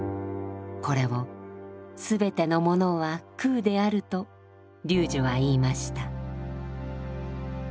これを「すべてのものは空である」と龍樹は言いました。